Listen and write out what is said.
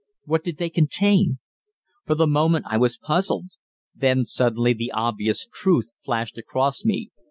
What did they contain? For the moment I was puzzled. Then suddenly the obvious truth flashed across me.